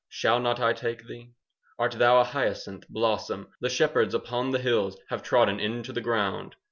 Shall not I take thee? Art thou a hyacinth blossom 5 The shepherds upon the hills Have trodden into the ground?